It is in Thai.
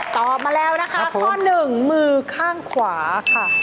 ตอบมาแล้วนะคะข้อหนึ่งมือข้างขวาค่ะ